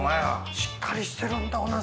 しっかりしてるんだおナス。